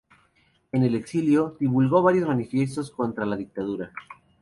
En el exilio, divulgó varios manifiestos contra la dictadura.